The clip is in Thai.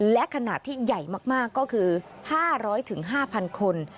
และขนาดที่ใหญ่มากก็คือ๕๐๐๕๐๐คน